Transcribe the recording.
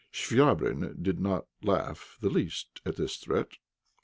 Chvabrine did not laugh the less at this threat.